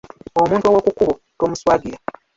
Omuntu ow'oku kkubo tomuswagira.